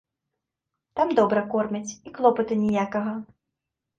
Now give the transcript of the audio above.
Там добра кормяць, і клопату ніякага.